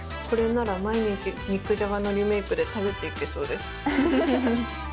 これなら毎日肉じゃがのリメイクで食べていけそうです。